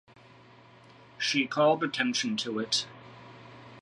She called attention to it.